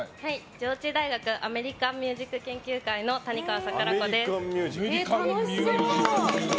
上智大学アメリカンミュージック研究会の楽しそう！